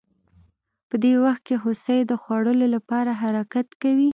په دې وخت کې هوسۍ د خوړو لپاره حرکت کوي